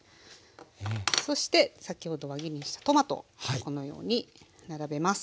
そして先ほど輪切りにしたトマトをこのように並べます。